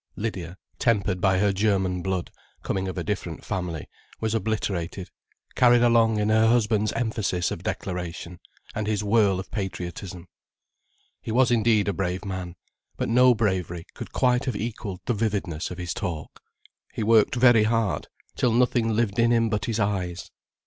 Lydia, tempered by her German blood, coming of a different family, was obliterated, carried along in her husband's emphasis of declaration, and his whirl of patriotism. He was indeed a brave man, but no bravery could quite have equalled the vividness of his talk. He worked very hard, till nothing lived in him but his eyes.